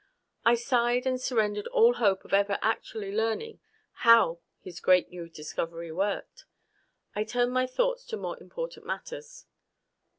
I sighed and surrendered all hope of ever actually learning how his great new discovery worked. I turned my thoughts to more important matters.